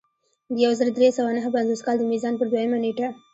د یو زر درې سوه نهه پنځوس کال د میزان پر دویمه نېټه.